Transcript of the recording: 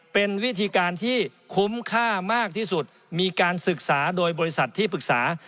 เป็นวิธีการที่คุ้มค่ามากที่สุดมีการศึกษาโดยบริษัทที่ปรึกษา